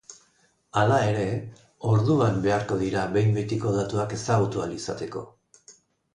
Hala ere, orduan beharko dira behin betiko datuak ezagutu ahal izateko.